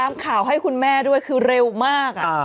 บางปีกว่าเวลา